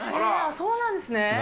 そうなんですね。